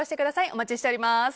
お待ちしております。